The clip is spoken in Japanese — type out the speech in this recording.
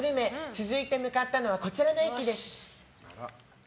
続いて向かったのはこちらの駅です。